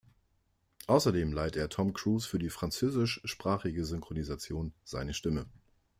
Außerdem leiht er Tom Cruise für die französischsprachige Synchronisation seine Stimme.